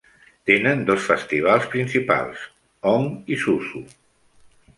Tenen dos festivals principals: Hong i Susu.